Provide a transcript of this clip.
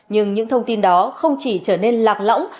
nhưng những thông tin đó không chỉ trở nên lạc lõng